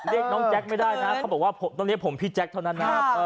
เรียกน้องแจ๊คไม่ได้นะเขาบอกว่าผมต้องเรียกผมพี่แจ๊คเท่านั้นนะ